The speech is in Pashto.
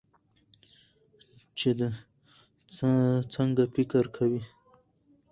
چې د څنګه فکر کوي